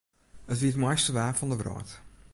It wie it moaiste waar fan de wrâld.